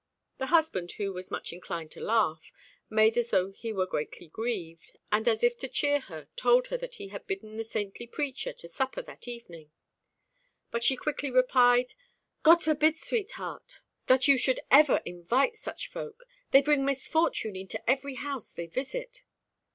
The husband, who was much inclined to laugh, made as though he were greatly grieved, and as if to cheer her told her that he had bidden the saintly preacher to supper that evening. But she quickly replied "God forbid, sweetheart, that you should ever invite such folk. They bring misfortune into every house they visit."